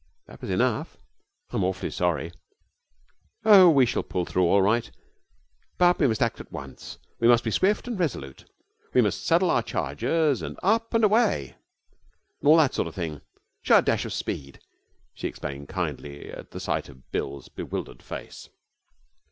'That was enough.' 'I'm awfully sorry.' 'Oh, we shall pull through all right, but we must act at once. We must be swift and resolute. We must saddle our chargers and up and away, and all that sort of thing. Show a flash of speed,' she explained kindly, at the sight of Bill's bewildered face.